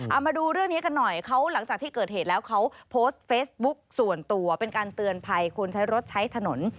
เอามาดูเรื่องนี้กันหน่อยเขาหลังจากที่เกิดเหตุแล้วเขาโพสต์เฟซบุ๊กส่วนตัวเป็นการเตือนภัยคนใช้รถใช้ถนน